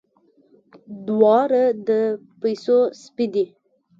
دواړه د پيسو سپي دي.